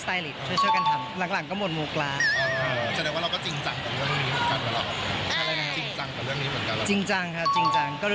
แคลกช่วยกันทำหลังหลังก็หมดโมงล้าที่จี่จ้าง